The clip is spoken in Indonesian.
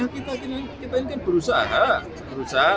kita ingin berusaha